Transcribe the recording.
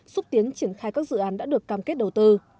xúc tiến triển khai các dự án đã được cam kết đầu tư